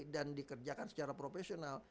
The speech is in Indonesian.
dan dikerjakan secara profesional